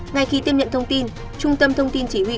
ngay khi tiếp nhận thông tin trung tâm thông tin chỉ huy